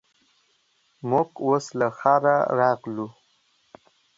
موږ اوس له ښاره راغلو.